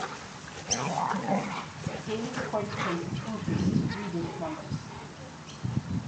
Daily reported cases increased to three digit numbers.